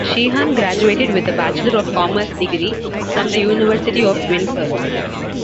Sheehan graduated with a Bachelor of Commerce degree from the University of Windsor.